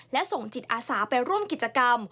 และส่งจิตอาสาไปร่วมกิจกรรม